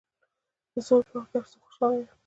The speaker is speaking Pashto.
د سولې په وخت کې هر څوک خوشحاله وي.